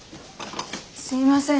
すいません。